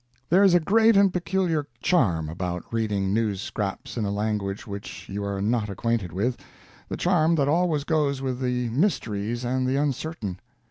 There is a great and peculiar charm about reading news scraps in a language which you are not acquainted with the charm that always goes with the mysterious and the uncertain.